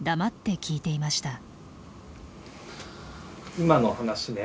今の話ね。